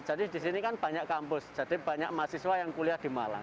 jadi di sini kan banyak kampus jadi banyak mahasiswa yang kuliah di malang